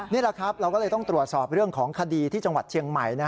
นี่แหละครับเราก็เลยต้องตรวจสอบเรื่องของคดีที่จังหวัดเชียงใหม่